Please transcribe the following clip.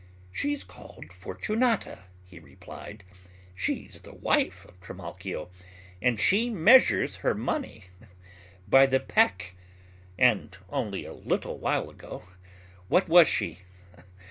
"She's called Fortunata," he replied. "She's the wife of Trimalchio, and she measures her money by the peck. And only a little while ago, what was she!